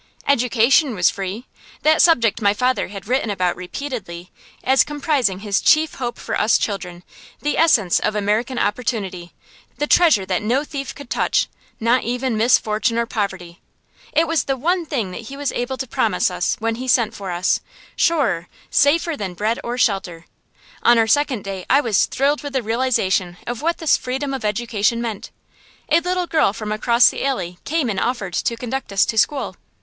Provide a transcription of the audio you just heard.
Education was free. That subject my father had written about repeatedly, as comprising his chief hope for us children, the essence of American opportunity, the treasure that no thief could touch, not even misfortune or poverty. It was the one thing that he was able to promise us when he sent for us; surer, safer than bread or shelter. On our second day I was thrilled with the realization of what this freedom of education meant. A little girl from across the alley came and offered to conduct us to school.